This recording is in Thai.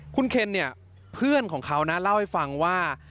คุณเคนเนี่ยเพื่อนของเขานะเล่าให้ฟังว่า